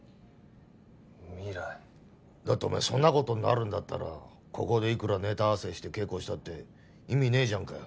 だってお前そんな事になるんだったらここでいくらネタ合わせして稽古したって意味ねえじゃんかよ。